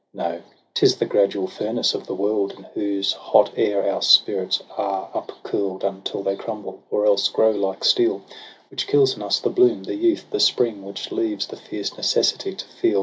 No, 'tis the gradual furnace of the world. In whose hot air our spirits are upcurl'd Until they crumble, or else grow like steel — Which kills in us the bloom, the youth, the spring — Which leaves the fierce necessity to feel.